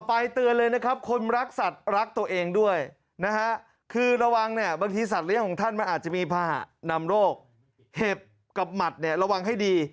ไปเตือนเลยนะครับคนรักสัตว์รักตัวเองด้วยนะฮะคือระวังเนี่ยบางทีสัตว์เลี้ยงของท่านมันอาจจะมีผ้านำโรคเห็บกับหมัดเนี่ยระวังให้ดี